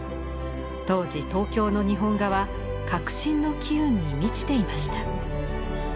当時東京の日本画は革新の機運に満ちていました。